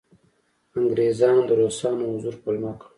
انګریزانو د روسانو حضور پلمه کړ.